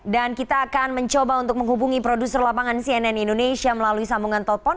dan kita akan mencoba untuk menghubungi produser lapangan cnn indonesia melalui sambungan telpon